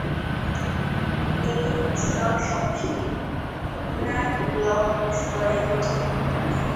এই স্তর সমষ্টি উন্নয়ন ব্লক স্তরে গঠিত।